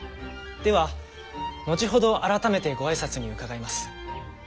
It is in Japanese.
では後ほど改めてご挨拶に伺います。